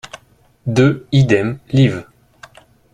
deux Idem, liv.